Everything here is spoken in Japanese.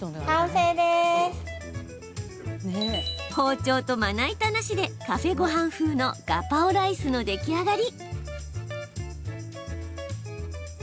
包丁と、まな板なしでカフェごはん風のガパオライスの出来上がり。